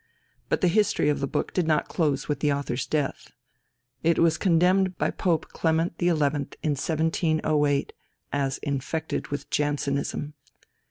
But the history of the book did not close with the author's death. It was condemned by Pope Clement XI. in 1708 as infected with Jansenism.